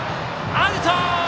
アウト！